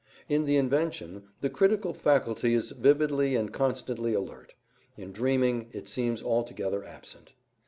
In the invention, the critical faculty is vividly and constantly alert; in dreaming, it seems altogether absent.